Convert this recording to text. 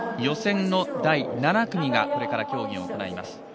予選の第７組がこれから競技を行います。